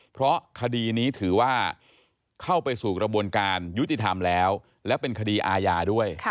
เพราะคดีนี้ถือว่าเข้าไปสู่กระบวนการยุติธรรมแล้วและเป็นคดีอาญาด้วย